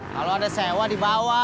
kalau ada sewa dibawa